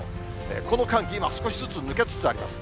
この寒気、今、少しずつ抜けつつあります。